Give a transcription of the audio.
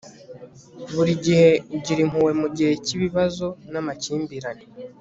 buri gihe ugira impuhwe mugihe cyibibazo namakimbirane